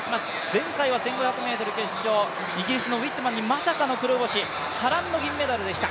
前回は１５００ｍ決勝、イギリスのウィットマンにまさかの黒星、波乱の銀メダルでした。